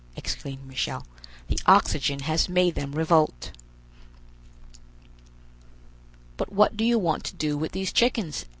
exclaimed Michel. "The oxygen has made them revolt." "But what do you want to do with these chickens?"